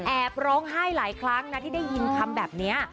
ร้องไห้หลายครั้งนะที่ได้ยินคำแบบนี้